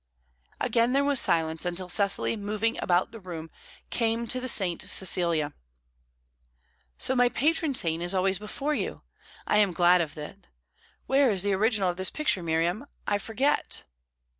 Again there was silence, until Cecily, moving about the room, came to the "St. Cecilia." "So my patron saint is always before you. I am glad of that. Where is the original of this picture, Miriam? I forget."